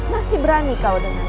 masih berani kau dengan aku